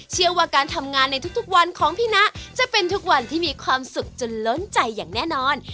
เชื่อว่าการทำงานในทุกวันของพี่นะจะเป็นทุกวันที่มีความสุขจนล้นใจอย่างแน่นอน